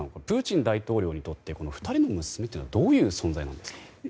プーチン大統領にとって２人の娘とはどういう存在なんですか。